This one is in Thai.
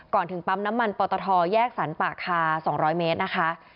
ถึงปั๊มน้ำมันปตทแยกสรรป่าคา๒๐๐เมตรนะคะ